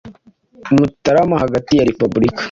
mutarama hagati ya repubulika